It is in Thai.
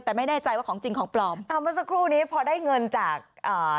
แต่ไม่แน่ใจว่าของจริงของปลอมอ่าเมื่อสักครู่นี้พอได้เงินจากอ่า